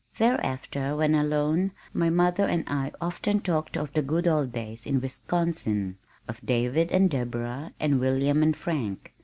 Thereafter when alone, my mother and I often talked of the good old days in Wisconsin, of David and Deborah and William and Frank.